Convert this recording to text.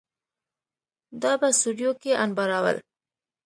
دا په سوریو کې انبارول